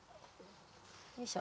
よいしょ。